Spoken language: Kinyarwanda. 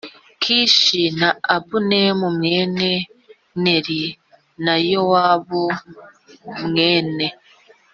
Kishi na abuneri mwene neri na yowabu mwene